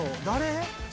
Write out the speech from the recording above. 誰？